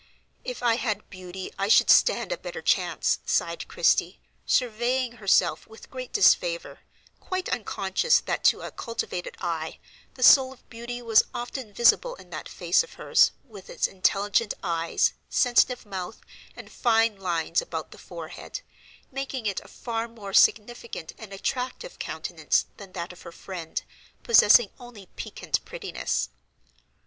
"If I had beauty I should stand a better chance," sighed Christie, surveying herself with great disfavor, quite unconscious that to a cultivated eye the soul of beauty was often visible in that face of hers, with its intelligent eyes, sensitive mouth, and fine lines about the forehead, making it a far more significant and attractive countenance than that of her friend, possessing only piquant prettiness.